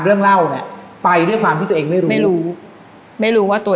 เรื่องเล่าเนี้ยไปด้วยความที่ตัวเองไม่รู้ไม่รู้ไม่รู้ว่าตัว